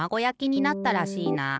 やきになったらしいな。